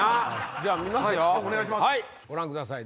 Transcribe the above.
じゃあ見ますよご覧ください